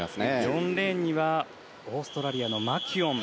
４レーンにはオーストラリアのマキュオン。